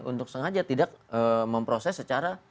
untuk sengaja tidak memproses secara